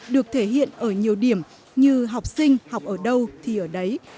được thể hiện ở nhiều điểm như học sinh học ở đâu thì ở đấy